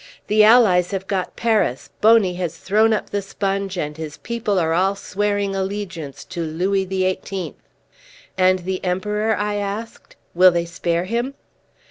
"The Allies have got Paris, Boney has thrown up the sponge, and his people are all swearing allegiance to Louis XVIII." "And the Emperor?" I asked. "Will they spare him?"